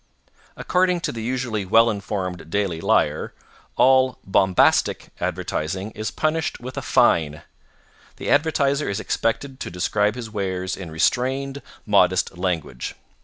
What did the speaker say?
According to the usually well informed Daily Lyre, all 'bombastic' advertising is punished with a fine. The advertiser is expected to describe his wares in restrained, modest language.